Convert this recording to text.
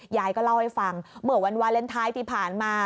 ยายก็เล่าให้ฟังเมื่อวันวาเลนไทยที่ผ่านมา